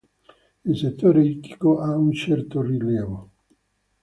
Il settore ittico ha un certo rilievo.